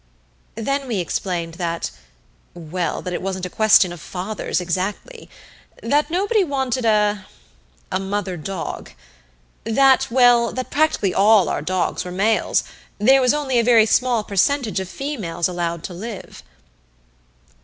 Then we explained that well, that it wasn't a question of fathers exactly; that nobody wanted a a mother dog; that, well, that practically all our dogs were males there was only a very small percentage of females allowed to live.